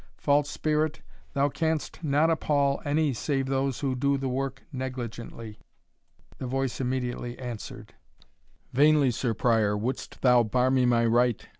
False spirit, thou canst not appal any save those who do the work negligently." The voice immediately answered: "Vainly, Sir Prior, wouldst thou bar me my right!